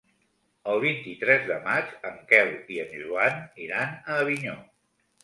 El vint-i-tres de maig en Quel i en Joan iran a Avinyó.